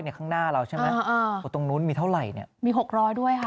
ข้างหน้าเราใช่ไหมอ่าตรงนู้นมีเท่าไหร่เนี่ยมีหกร้อยด้วยค่ะ